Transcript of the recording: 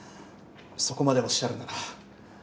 そこまでおっしゃるなら。